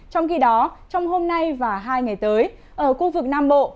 trong khi đó trong hôm nay và hai ngày tới ở khu vực nam bộ